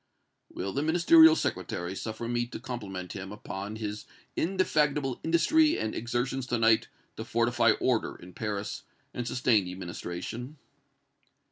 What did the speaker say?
"Will the Ministerial Secretary suffer me to compliment him upon his indefatigable industry and exertions to night to fortify order in Paris and sustain the administration?"